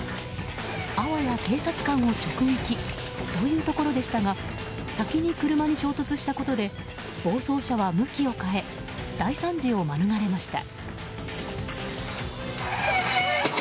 あわや警察官を直撃というところでしたが先に車に衝突したことで暴走車は向きを変え大惨事を免れました。